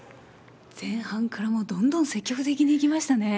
前半からもう、どんどん積極的にいきましたね。